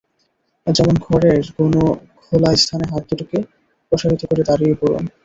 যেমন ঘরের কোনো খোলা স্থানে হাত দুটোকে প্রসারিত করে দাঁড়িয়ে পড়ুন।